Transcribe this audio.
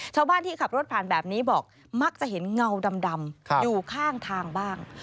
ชาวบ้านที่ขับรถผ่านแบบนี้บอกมักจะเห็นเงาดำอยู่ข้างทางบ้าง